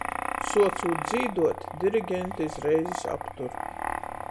Suocūt dzīduot, dirigente iz reizis aptur.